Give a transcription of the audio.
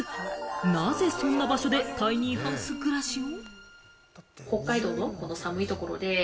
なぜそんな場所でタイニーハウス暮らしを？